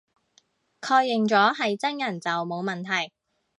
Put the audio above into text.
確認咗係真人就冇問題